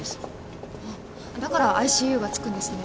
ああだから「ＩＣＵ」がつくんですね。